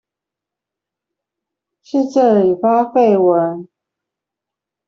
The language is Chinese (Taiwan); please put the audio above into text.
是這裡發廢文？